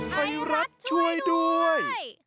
ไทยรัฐช่วยด้วย